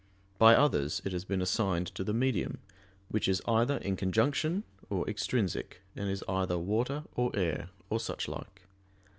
By others it has been assigned to the medium, which is either in conjunction or extrinsic and is either water or air, or such like.